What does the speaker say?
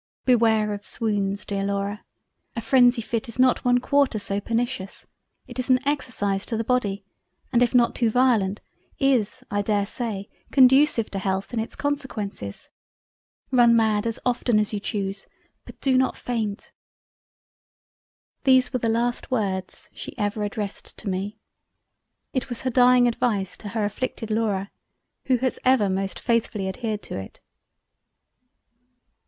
Beware of swoons Dear Laura.... A frenzy fit is not one quarter so pernicious; it is an exercise to the Body and if not too violent, is I dare say conducive to Health in its consequences—Run mad as often as you chuse; but do not faint—" These were the last words she ever addressed to me.. It was her dieing Advice to her afflicted Laura, who has ever most faithfully adhered to it.